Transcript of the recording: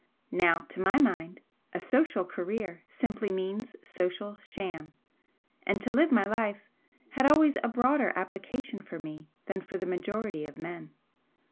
Now to my mind a social career simply means social sham and to live my life had always a broader application for me than for the majority of men.